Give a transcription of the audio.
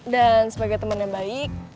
dan sebagai temen yang baik